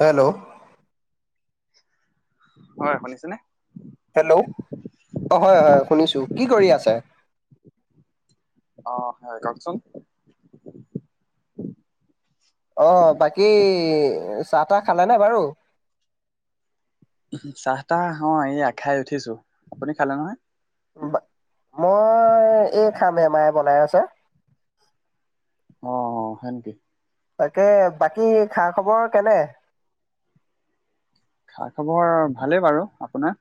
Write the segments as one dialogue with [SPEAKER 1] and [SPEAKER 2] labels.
[SPEAKER 1] Hello
[SPEAKER 2] হয় শুনিছনেে
[SPEAKER 1] hello অ হয় হয় শুনিছো কি কৰি আছে
[SPEAKER 2] অ হয় কওকচোন
[SPEAKER 1] আহ বাকী চাহ তাহ খালেনেে বাৰু
[SPEAKER 2] চাহ তাহ অ এইয়া খাই উঠিছো আপুনি খালে নহয়
[SPEAKER 1] বা মই এই খামহেমায় বনাই আছে
[SPEAKER 2] অ সেকি
[SPEAKER 1] তাকে বাকী খা খবৰ কেনে
[SPEAKER 2] খা খবৰ ভালে বাৰু আপোনাৰ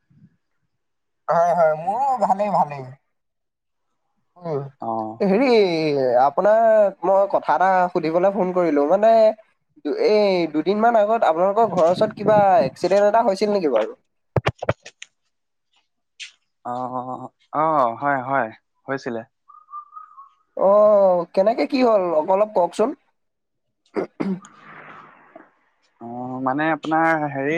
[SPEAKER 1] হয় হয় মোৰো ভালেই ভালেই অ
[SPEAKER 2] অঁ
[SPEAKER 1] হেৰি আপোনাক মই কথা এটা সুধিবলৈ ফোন কৰিলো মানে এই দুদিন িনমান আত আপোনালৰ ঘৰৰওচৰত কিব এক্সিডেণ্ট এটা হৈছিল নেকি বাৰু
[SPEAKER 2] অ অ আহ হয় হয় হৈছিলে
[SPEAKER 1] আহ কেনেকে কি হ'ল অলপ কওকচোন
[SPEAKER 2] অ মানে আপোনাৰ হেৰি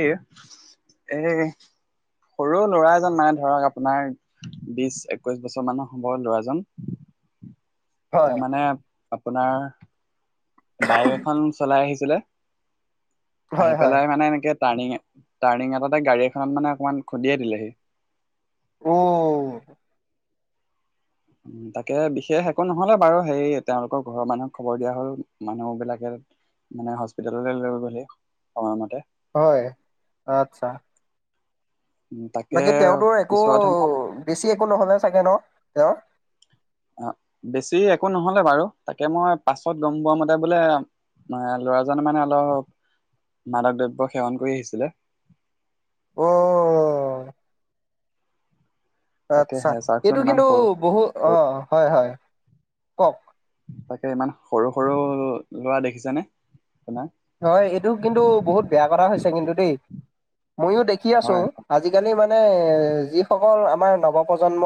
[SPEAKER 2] এই সৰু ল'ৰা এজন মানে ধৰক আপোনাৰ বিশ একৈশ বছৰ মানৰ হ'ব ল'ৰাজন ত
[SPEAKER 1] হয়
[SPEAKER 2] মানে আপোনাৰ বাইক এখন চলাই আহিছিলে
[SPEAKER 1] হয়
[SPEAKER 2] আহি
[SPEAKER 1] হয়
[SPEAKER 2] পেলাই মানে এনেকে টাৰ্ণিং টাৰ্ণিং এটাতে গাড়ী এখনত মানে অকমান খুন্দিয়ে দিলেহি
[SPEAKER 1] অ
[SPEAKER 2] তাকে বিশেষ একো নহলে বাৰু সেই তেওঁলোকৰ ঘৰৰ মানুহক খবৰ দিয়া হল মানুহ বিলাকে মানে হস্পিিতেললৈ লৈ গলেি সময়মতে
[SPEAKER 1] হয় আচ্ছা
[SPEAKER 2] উম, তাকে
[SPEAKER 1] বাকী তেওঁতৰ একো
[SPEAKER 2] পিছতহে মই
[SPEAKER 1] বেছি একো নহলে চাগে ন তেওঁৰ
[SPEAKER 2] অ বেছি একো নহলে বাৰু তাকে মই পাছত গম পোৱা মতে বোলে ম ল'ৰাজ মানে অলপ মাদক দ্ৰব্য সেৱন কৰি আহিছিলে
[SPEAKER 1] অ
[SPEAKER 2] তাকে
[SPEAKER 1] আচ্ছা
[SPEAKER 2] হে চাওকচোন
[SPEAKER 1] এইটো
[SPEAKER 2] ইমান
[SPEAKER 1] কিন্তু
[SPEAKER 2] সৰু
[SPEAKER 1] বহু অ
[SPEAKER 2] সৰু
[SPEAKER 1] হয় হয় কওক
[SPEAKER 2] তাকে ইমান সৰু সৰু ল'ৰা দেখিছানে
[SPEAKER 1] হয় এইটো কিন্তু বহুত বেয়া কথা হৈছে কিন্তু দেই ময়ো দেখি আছো
[SPEAKER 2] হয়
[SPEAKER 1] আজিকালি মানে যিসকল আমাৰ নৱপ্ৰজন্ম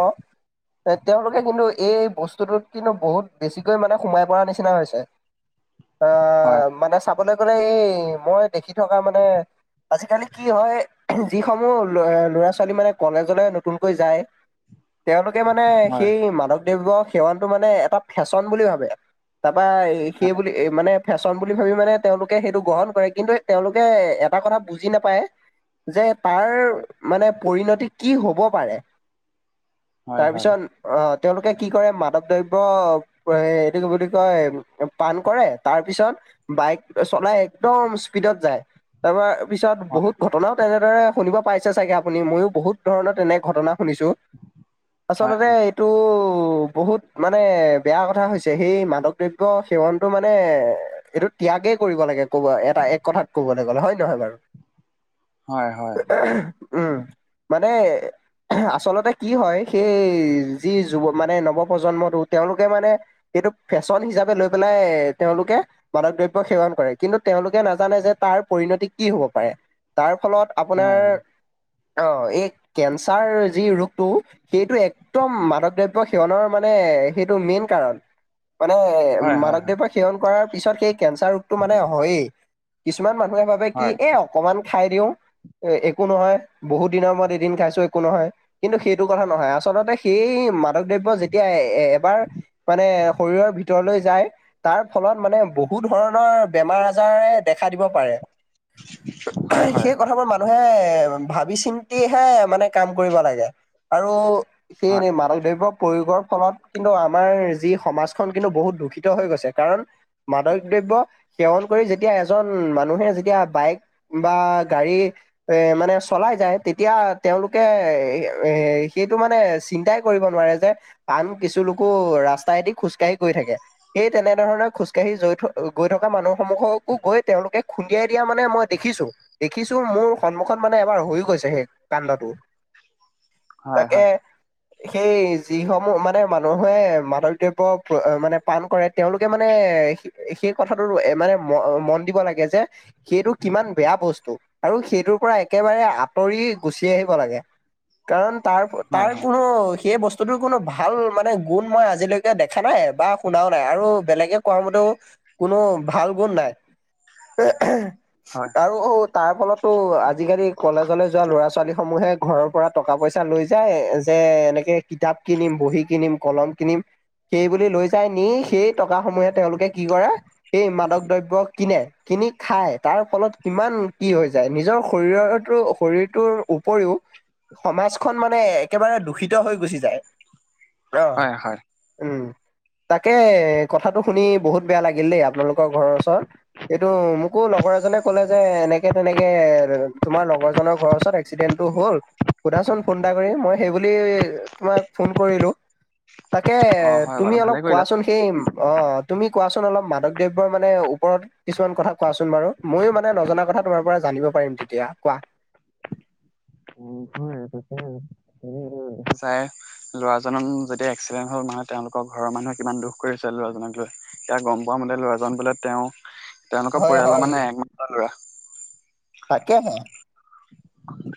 [SPEAKER 1] এ তেওঁলোকে কিন্তু এই বস্তুটোত কিন্তু বহুত বেছিকৈ মানে সোমাই পৰা নিচিনা হৈছে
[SPEAKER 2] হয়
[SPEAKER 1] আহ মানে চাবলৈ গলে এই মই দেখি থকা মানে আজিকালি কি হয় যিসমূহ ল ল'ৰা ছোৱালী মানে কলেজলে নতুনকৈ যায় তেওঁলোকে মানে
[SPEAKER 2] হয়
[SPEAKER 1] সেই মাধৱ দেৱ সেৱনটো মানে এটা ফেশ্বন বুলি ভাবে বা সেই বুলি মানে ফেশ্বন বুলি ভাবি মানে তেওঁলোকে সেইটো গ্ৰহণ কৰে কিন্তু তেওঁলোকে এটা কথা বুজি নাপায় যে তাৰ
[SPEAKER 2] হয়
[SPEAKER 1] মানে পৰিণতি কি হ'ব পাৰে
[SPEAKER 2] হয় হয়
[SPEAKER 1] তাৰপিছত আহ তেওঁলোকে কি কৰে মাদৱ দ্ৰব্য এইটো কি বুলি কয় পান কৰে তাৰপিছত বাইক চলাই একদম স্পীডত যায় তাৰ পিছত
[SPEAKER 2] হয়
[SPEAKER 1] বহুত ঘটনা তেনেদৰে শুনিব পাইছে চাগে আপুনি ময়ো বহুত ধৰণৰ তেনে ঘটনা শুনিছো
[SPEAKER 2] হয়
[SPEAKER 1] আচলতে এইটো বহুত মানে বেয়া কথা হৈছে সেই মাদক দ্ৰব্য সেৱনটো মানে এইটো ত্যাগে কৰিব লাগে কব এটা এক কথাত ক'বলৈ গ'লে হয় নহয় বাৰু
[SPEAKER 2] হয় হয়
[SPEAKER 1] উম মানে আচলতে কি হয় সেই যি যুৱ মানে নৱপ্ৰজন্মটো তেওঁলোকে মানে এইটো ফেশ্বন হিচাপে লৈ পেলাই তেওঁলোকে মাদক দ্ৰব্য সেৱন কিন্তু তেওঁলোকে নাজানে যে তাৰ পৰিণতি কি হ'ব পাৰে তাৰ ফলত আপোনাৰ
[SPEAKER 2] হয়
[SPEAKER 1] অ, এই কেঞ্চাৰ যি ৰোগটো সেইটো একদম মাদক দ্ৰব্য সেৱনৰ মানে সেইটো মেইন কাৰণ। মানে
[SPEAKER 2] হয় হয় হয়
[SPEAKER 1] মাদক
[SPEAKER 2] হয়
[SPEAKER 1] দ্ৰব্য সেৱন কৰাৰ পিছত সেই কেঞ্চাৰ ৰোগটো মানে হয়য়েই কিছুমান মান ম ভাবে কি
[SPEAKER 2] হয়
[SPEAKER 1] এ অকমান খাই দিও এ একো নহয় বহুত দিনৰ ম এদিন খাইছো একো নহয় কিন্তু সেইটো কথা নহয় আচলতে সেই ম মাদক দ্ৰব্য যেতিয়া এ এবাৰ মানে শৰীৰৰ ভিতৰলৈ যায় তাৰ ফলত মানে বহু ধৰণ ৰ বেমাৰ আজাৰে দেখা দিব পাৰে।
[SPEAKER 2] হয় হয় হয়
[SPEAKER 1] সেই কথাবোৰ মানুহে ভাবি চিন্তিহে মানে কাম কৰিব লাগে আৰু সেই
[SPEAKER 2] হয়
[SPEAKER 1] মাদকদৈৱক প্ৰয়োগৰ ফলত কিন্তু আমাৰ যি সমাজখন কিন্তু বহুত দূষিত হৈ গৈছে কাৰণ মাধক দৱ্য সেৱন কৰি যেতিয়া এজন মানুহে যেতিয়া বাইক বা গাড়ী এ মানে চলাই যায়। তেতিয়া তেওঁলোকে এ - এ সেইটো মানে চিন্তাই কৰিব নোৱাৰে যে আন কিছু লোকো ৰাস্তাইদি খোজকাঢ়ি কৰি থাকে সেই তেনেধৰণৰ খোজকাঢ়ি জৈ গৈ গৈ থকা মানুহসমূহকো গৈ তেওঁলোকে খুন্দিয়াই দিয়া মানে মই দেখিছো - দেখিছো মোৰ সন্মুখত মানে এবাৰ হৈ গৈছে সেই কানদটো
[SPEAKER 2] হয়
[SPEAKER 1] তাকে।
[SPEAKER 2] হয়
[SPEAKER 1] সেই যিসমূহ মানে মানুহে মাদক দ্ৰব্য মানে পান কৰে তেওঁলোকে মানে সেইয়াই সেই সে কথাটো মানে মন দিব লাগে যে সেইটো কিমান বেয়া বস্তু আৰু সেইটোৰ পৰা একে একেবাৰে আঁতৰি গুচি আহিব লাগে কাৰণ তা
[SPEAKER 2] হয়
[SPEAKER 1] তাৰ
[SPEAKER 2] হয়
[SPEAKER 1] কোনো সেই বস্তু তো কোনো ভাল মানে গুণ মই আজিলৈকে দেখা নাই বা শুনাও নাই আৰু বেলেগে কোৱা মতেও কোনো ভাল গুণ নাই
[SPEAKER 2] হয়
[SPEAKER 1] আৰু তাৰ ফলতো আজিকালি কলেজলৈ যোৱা ল'ৰা ছোৱালী সমূহে ঘৰৰ পৰা টকা পইচা লৈ যায় যে এ এনেকে কিতাপ কিনিম, বহী কিনিম, কলম কিনিম সেই বুলি লৈ যায় নি সেই টকা সমূহে তেওঁলোকে কি কৰে সেই মাদক দ্ৰব্য কিনে, কিনি খাই তাৰ ফলত কিমান কি হৈ যায় নিজৰ শৰীৰৰ শৰীৰটোৰ উপৰিও সমাজখন মানে একেবাৰে দূষিত হৈ গুচি যায়। অ'
[SPEAKER 2] হয় হয়
[SPEAKER 1] উম তাকে কথাটো শুনি বহুত বেয়া লাগে লাগিল দেই আপোনালোকৰ ঘৰৰ ওচৰত এইটো মোকো লগৰ এজনে ক'লে যে এনেকে তেনেকে তোমাৰ লগৰজনৰ ঘৰৰ ওচৰত এক্সিডেণ্ট হ'ল সুধাচোন ফোন এটা কৰি মই সেইবুলি তোমাক ফোন কৰিলোঁ তাকে
[SPEAKER 2] অ হয়
[SPEAKER 1] তুমি
[SPEAKER 2] বাৰু
[SPEAKER 1] অলপ
[SPEAKER 2] ভালে কৰিলা।
[SPEAKER 1] কোৱাচোন সেই অ' তুমি কোৱাচোন অলপ মাদক দৱ্যৰ মানে ওপৰত কিছুমান কথা কোৱাচোন বাৰু ময়ো মানে নজনা কথা তোমাৰ পৰা জানিব পাৰিম। তেতিয়া কোৱা?
[SPEAKER 2] উ [unintelligible] চাই ল'ৰাজনক যদি এক্সিডেন্ট হ'ল মানে তেওঁলোকৰ ঘৰত মানুহে কিমান দুখ কৰিছে ল'ৰাজনক লৈ, এতিয়া গম পোৱামতে ল'ৰাজন বোলে তেওঁ তেওঁলোকৰ
[SPEAKER 1] হয়
[SPEAKER 2] পৰিয়ালৰ
[SPEAKER 1] হয়
[SPEAKER 2] মানে একমাত্ৰ ল'ৰা।
[SPEAKER 1] তাকেহে।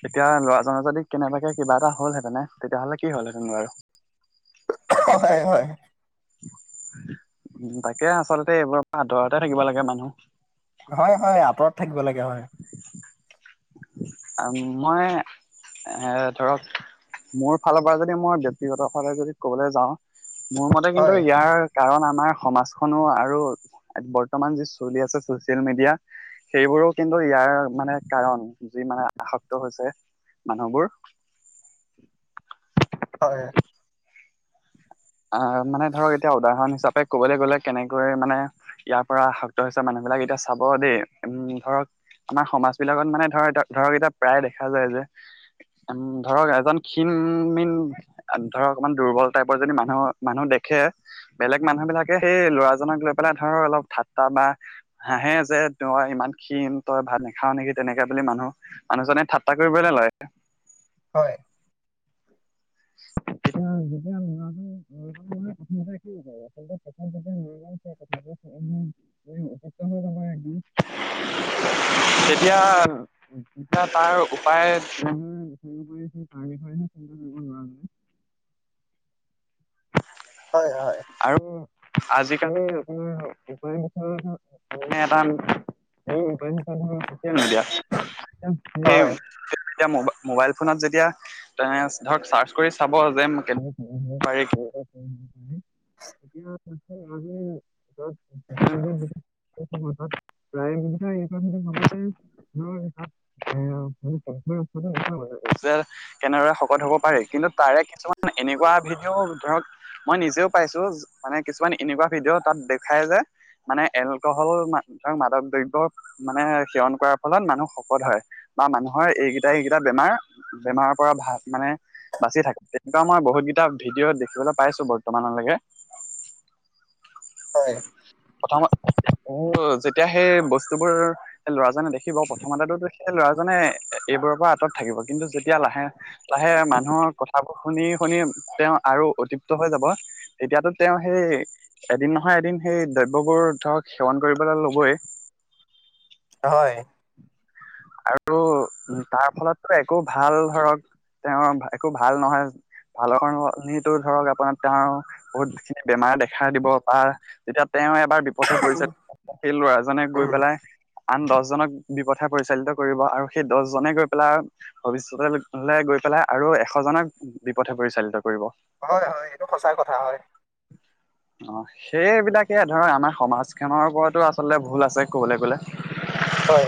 [SPEAKER 2] এতিয়া ল'ৰাজনৰ যদি কেনেবাকে কিবা এটা হল হেঁতেনে তেতিয়াহ'লে কি হ'ল হেতেন বাৰু?
[SPEAKER 1] [unintelligible] হয়-হয়।
[SPEAKER 2] উম, তাকে আচলতে এইবোৰৰ আতৰতে থাকিব লাগে মানুহ।
[SPEAKER 1] হয় হয় আঁতৰত থাকিব লাগে হয়
[SPEAKER 2] আৰু মই এ ধৰক মোৰ ফালৰ পৰা যদি মই ব্যয়ক্তিগত কে যদি ক'বলৈ যাওঁ মোৰ মতে কিন্তু
[SPEAKER 1] হয়
[SPEAKER 2] ইয়াৰ কাৰণ আমাৰ সমাজখনো আৰু বৰ্তমান যি চলি আছে চচিয়েল মিডিয়া সেইবোৰো কিন্তু ইয়াৰ মানে কাৰণ যি মানে আসক্ত হৈছে মানুহবোৰ
[SPEAKER 1] হয়
[SPEAKER 2] আহ মানে ধৰক এতিয়া উদাহৰণ হিচাপে কবলৈ গ'লে কেনেকৈ মানে ইয়াৰ পৰা আসক্ত হৈছে মানুহ এই বিঁলাক এতিয়া চাব দেই উম ধৰক আমাৰ সমাজ বিলাকত মানে ধৰ ধৰক এতিয়া প্ৰায় দেখা যায় যে উ ধৰক এজন ক্ষীণ মীন ধৰক অমান দুৰ্বল টাইপৰ যজনি মানুহ অ' মানুহ দেখে। বেলেগ মানুহ বিলাকে সেই ল'ৰাজনক লৈ পেলাই ধৰ অলপ ঠাট্টা বা হাঁহে যে তই ইমান ক্ষীণ তই ভাত নাখাও নেকি? তেনেকে বুলি মানুহ মানুহজনে ঠাট্টা কৰিবলৈ লয়।
[SPEAKER 1] হয়। [unintelligible]
[SPEAKER 2] যেতিয়া [unintelligible] আচলতে [unintelligible] উম, হৈ সত্য হৈ জনা আজি, এতিয়া। এতিয়া তাৰ উপায়। [unintelligible] উম,।
[SPEAKER 1] হয়, হয়।
[SPEAKER 2] আৰু আজিকালি আপোনাক। [unintelligible] চিয়েল মিডিয়া
[SPEAKER 1] হয়
[SPEAKER 2] ম [inaudible] মোবাইল ফোনত যেতিয়া তেনচ ধক চাৰ্চ কৰি চাব যে কেনে সোমব পাৰি। স এতিয়া ত আজি
[SPEAKER 1] হয়
[SPEAKER 2] [unintelligible] [unintelligible] প্ৰায় এই কথাটো ভাবতে ত [unintelligible] পত্নী কিধৰণে [unintelligible] যাৰ কেনেকুৱা শকত হ'ল। পাৰে, কিন্তু পাৰে কিছুমান এনেকুৱা ভিডিঅ'ত। ধৰক, মই নিজেও পাইছো, মানে কিছুমান এনেকুৱা ভিডিঅ' তাত দেখাই যে। মানে, এলকহল মা-মাদক দ্ৰব্য মানে সেৱন কৰাৰ ফলত মানুহ শকত হয়। বা মানুহৰ এইকেইটা, এইকেইটা বেমাৰ -বেমাৰৰ পৰা ভা মানে বাচি থাকে। এই টো আমাৰ বহুত। এটা ভিডিঅ' দেখিবলৈ পাইছো বৰ্তমানলৈকে।
[SPEAKER 1] হয়।
[SPEAKER 2] প্ৰথম ও যেতিয়া, সেই বস্তুবোৰ ল'ৰাজনে দেখিব প্ৰথমতেটো। ল'ৰাজনে এইবোৰৰ পৰা আঁতৰত থাকিব। কিন্তু, যেতিয়া লাহে, লাহে মানুহৰ কথাবোৰ শুনি। শুনি, তেওঁ আৰু অতিপ্ত হৈ যাব। এতিয়াপ তেওঁহে হেই, এদিন নহয়, এদিন হেই দব। লগৰ, ধৰক সেৱন কৰিবলৈ ল'বই।
[SPEAKER 1] হয়।
[SPEAKER 2] আৰু উ তাৰ, ফলত একো ভাল ধৰক। তেওঁ একো ভাল নহয়। ভালৰ কাৰণে আপুনি টো ধৰক আপোনাৰ তেওঁৰ বহুত খিনি বেমাৰ দেখা দিব পাৰ যেতিয়া। তেওঁ এবাৰ বিপথে পৰিছে। এই লৰাজনে গৈ
[SPEAKER 1] উম,
[SPEAKER 2] পেলাই আন দহজনক বিপ। পৰিচালিত কৰিব আৰু সেই দহজনে গৈ পেলাই ভৱিষ্যতে লৈ গৈ পেলাই আৰু এশজনক। বিপথে পৰিচালিত কৰিব।
[SPEAKER 1] হয়, হয় এইটো সঁচা কথা হয়।
[SPEAKER 2] অ'সেইবিলাকে ধৰ আমাৰ সমাজখনৰ ওপৰতো আচলতে ভুল আছে ক'বলৈ গ'লে।
[SPEAKER 1] হয়।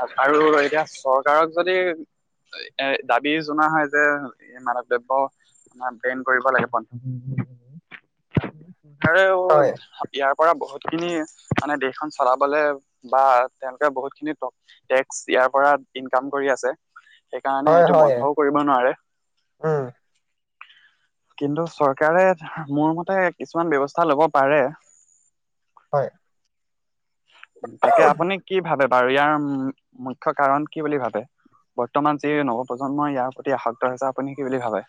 [SPEAKER 2] আও, আৰু এতিয়া চৰকাৰক যদি। এই দাবী জনোৱা হয় যে, মাদক দ্ৰব্য আমাৰ বেইন কৰিব লাগিব।
[SPEAKER 1] [unintelligible]
[SPEAKER 2] উম, হেৰে অ'
[SPEAKER 1] হয়,
[SPEAKER 2] ইয়াৰ পৰা বহুত। যি খিনি মানে দেশখন চলাবলৈ বা তেওঁলোকে বহুত খিনি তপ। টেক্স ইয়াৰ পৰা ইনকাম কৰি আছে। সেইকাৰণে
[SPEAKER 1] হয়,
[SPEAKER 2] এইটো
[SPEAKER 1] হয়,
[SPEAKER 2] বন্ধও কৰিব নোৱাৰে।
[SPEAKER 1] উম, [unintelligible]
[SPEAKER 2] কিন্তু চৰকাৰে মোৰ মতে, কিছুমান ব্যৱস্থা লব পাৰে।
[SPEAKER 1] হয়।
[SPEAKER 2] তাকে, আপুনি কি ভাবে বাৰু ইয়াৰ মুখ্য কাৰণ কি বুলি ভাবে? বৰ্তমান যি নৱপ্ৰজন্মই ইয়াৰ প্ৰতি আসক্ত হৈছে, আপুনি কি বুলি ভাবে?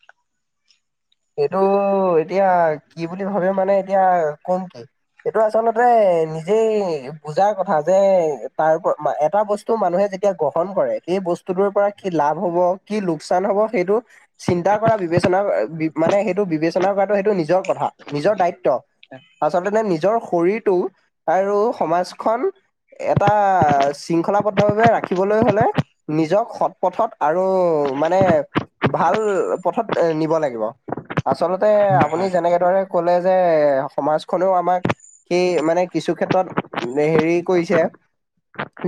[SPEAKER 1] এইটো এতিয়া কি বুলি ভাবে মানে এতিয়া কম কি এইটো আচলতে নিজেই বুজাৰ কথা যে তাৰপ এটা বস্তু মানুহে যেতিয়া গ্ৰহণ কৰে সেই বস্তুটোৰ পৰা কি লাভ হব কি লোকচান হব সেইটো চিন্তা কৰা বিবেচনা মানে সেইটো বিবেচনা কৰাটো সেইটো নিজৰ কথা নিজৰ দায়িত্ব আচলতে নিজৰ শৰীৰ আৰু সমাজখন এটা শৃংখলাবদ্ধভাৱে ৰাখিবলৈ হলে নিজক সৎ পথত আৰু মানে ভাল পথত এ নিব লাগিব আচলতে
[SPEAKER 2] হয়
[SPEAKER 1] আপুনি
[SPEAKER 2] হয়
[SPEAKER 1] যেনেকে ধৰে কলে যে সমাজখনেও আমাক সেই মানে কিছু ক্ষেত্ৰত হেৰি কৰিছে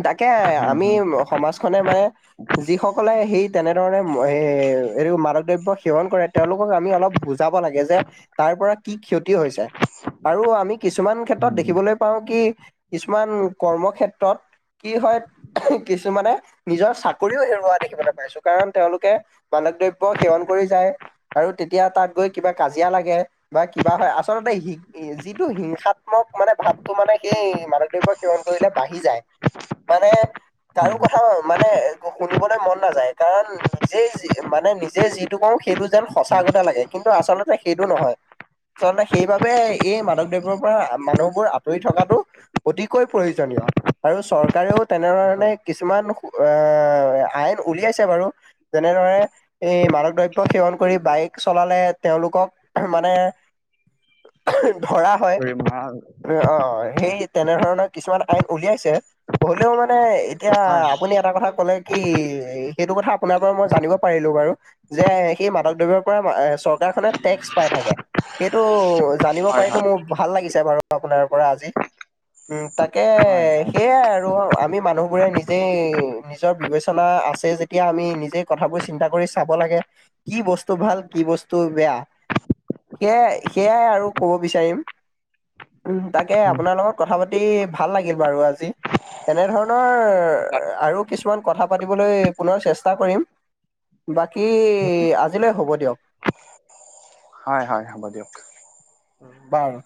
[SPEAKER 1] তাকে
[SPEAKER 2] হুম
[SPEAKER 1] আমি
[SPEAKER 2] হুম
[SPEAKER 1] সমাজখনে মানে যিসকলে সেই তেনেধৰণে এ এইটো মাদক দ্ৰব্য সেৱন কৰে তেওঁলোক আমি অলপ বুজাব লাগে যে তাৰ পৰা কি ক্ষতি হৈছে আৰু আমি কিছুমান ক্ষেত্ৰত
[SPEAKER 2] হুম
[SPEAKER 1] দেখিবলৈ পাওঁ কি কিছুমান কৰ্ম কেত্ৰত কি হয় কিছুমানে নিজৰ চাকৰিও হেৰুওৱা দেখিবলৈ পাইছো কাৰণ তেওঁলোকে মানক দ্ৰব্য সেৱন কৰি কৰি যায় আৰু তেতিয়া তাত গৈ কিবা কাজিয়া লাগে বা কিবা হয় আচলতে যিটো হিংসাত্মক মানে ভাততটো মানে সেই মাদক দ্ৰব্য সেৱন কৰিলে বাঢ়ি যায় মানে
[SPEAKER 2] হুম
[SPEAKER 1] কাৰো কথাও মানে শুনিবলৈ মন নাযায় কাৰণ নিজেই মানে নিজে যিটো কওঁ সেইটো যেন সঁচাাকথা লাগে কিন্তু আচলতে সেইটো নহয় আচলতে সেইবাবে এই মাদক দ্ৰৱ্যৰ পৰা মানুহবোৰ আঁতৰি থকাটো অতিকৈ প্ৰয়োজনীয় আৰু চৰকাৰেও তেনেধৰণে কিছুমান এ আইন উলিয়াইছে বাৰু যেনে ধৰে এই মাদক দ্ৰব্য সেৱন কৰি বাইক চলালে তেওঁলোকক মানে ধৰা হয়
[SPEAKER 2] হুম
[SPEAKER 1] অ সেই তেনে ধৰণৰ কিছুমান আইন উলিয়াইছে হলেও মানে এতিয়া
[SPEAKER 2] হয় হয়
[SPEAKER 1] আপুনি এটা কথা ক'লে কি সেইটো কথা আপোনাৰ পৰা মই জানিব পাৰিলো বাৰু যে এই মাদক দ্ৰব্যৰ পৰা চৰকাৰখনে টেক্স পাই থাকে সেইটো জানিব
[SPEAKER 2] হয়
[SPEAKER 1] পাৰো
[SPEAKER 2] হয়
[SPEAKER 1] মোৰ ভাল লাগিছে বাৰু আপোনাৰ পৰা আজি উম তাকে
[SPEAKER 2] হয় হয় হয়
[SPEAKER 1] সেয়াই আৰু আমি মানুহবোৰে নিজেই নিজৰ বিবেচনা আছে যেতিয়া আমি নিজে কথাবোৰ চিন্তা কৰি চাব লাগে কি বস্তু ভাল কি বস্তু বেয়া সেয়াই সেয়াই আৰু কব বিচাৰিম উম তাকে আপোনাৰ লগত কথা পাতি ভাল লাগিল বাৰু আজি এনেধৰণৰ আৰু কিছুমান কথা পাতিবলৈ পুনৰ চেষ্টা কৰিম বাকী আজিলৈ হ'ব দিয়ক
[SPEAKER 2] হয় হয় হ'ব দিয়ক
[SPEAKER 1] বাৰ